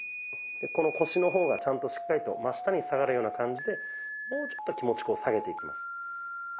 この腰の方がちゃんとしっかりと真下に下がるような感じでもうちょっと気持ち下げていきます。